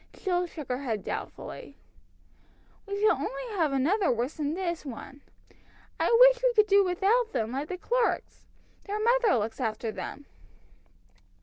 Jill shook her head doubtfully. "We shall only have another worse than this one! I wish we could do without them, like the Clarkes. Their mother looks after them."